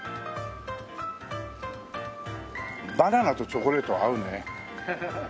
バナナとチョコレートは合うね。